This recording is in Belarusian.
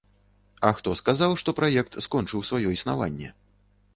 А хто сказаў, што праект скончыў сваё існаванне?